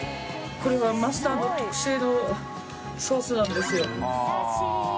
これはマスターの特製のソースなんですよ。